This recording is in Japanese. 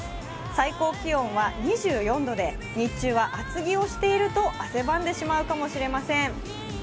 最高気温は２４度で、日中は厚着をしていると汗ばんでしまうかもしれません。